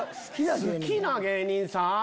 好きな芸人さん？